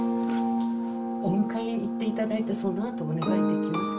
お迎え行って頂いたそのあとお願いできますか？